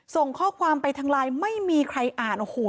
ส่งข้อความไปทางไลน์ไม่มีใครอ่านโอ้โห